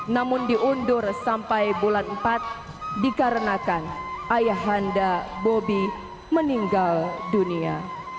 namun diundur sampai bulan empat dikarenakan ayah handa bobi meninggal dunia